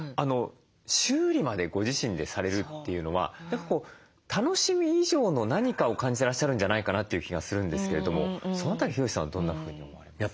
修理までご自身でされるというのは楽しみ以上の何かを感じてらっしゃるんじゃないかなという気がするんですけれどもその辺りヒロシさんはどんなふうに思われますか？